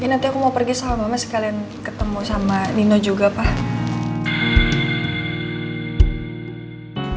nanti aku mau pergi sama mama sekalian ketemu sama nino juga pak